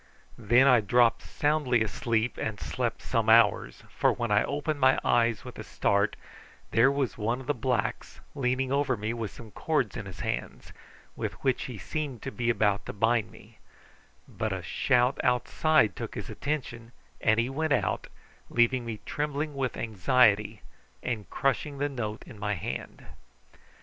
Then I dropped soundly asleep and slept some hours, for when I opened my eyes with a start there was one of the blacks leaning over me with some cords in his hands, with which he seemed to be about to bind me; but a shout outside took his attention, and he went out, leaving me trembling with anxiety and crushing the note in my hand.